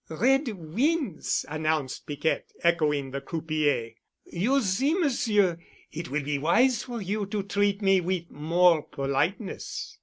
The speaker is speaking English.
"Red wins," announced Piquette, echoing the croupier. "You see, Monsieur, it will be wise for you to treat me with more politeness."